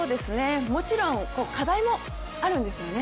もちろん、課題もあるんですよね。